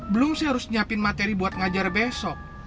belum sih harus nyiapin materi buat ngajar besok